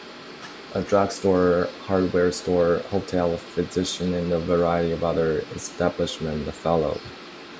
A drug store, hardware store, hotel, physician and a variety of other establishments followed.